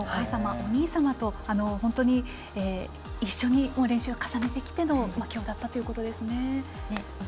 お兄様と本当に一緒に練習を重ねてきての今日だったということですね。